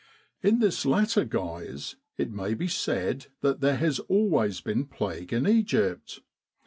In this latter guise, it may be said that there has always been plague in Egypt.